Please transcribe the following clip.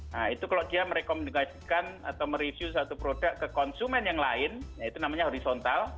nah itu kalau dia merekomendasikan atau mereview satu produk ke konsumen yang lain yaitu namanya horizontal